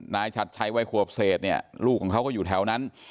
นายชัดใช้ไว้ควบเศษเนี่ยลูกของเขาก็อยู่แถวนั้น